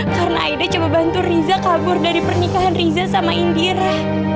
karena aida coba bantu riza kabur dari pernikahan riza sama indira